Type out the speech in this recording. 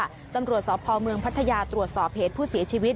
ตำรวจสพเมืองพัทยาตรวจสอบเหตุผู้เสียชีวิต